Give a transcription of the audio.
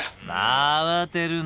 慌てるな！